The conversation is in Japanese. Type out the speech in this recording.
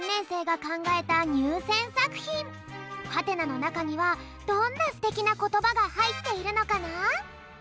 「？」のなかにはどんなすてきなことばがはいっているのかな？